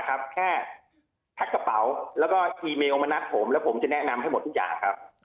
แค่แพ็คกระเป๋าแล้วก็อีเมลมานัดผมแล้วผมจะแนะนำให้หมดทุกอย่างครับ